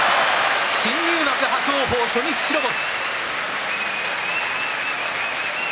新入幕伯桜鵬、初日白星。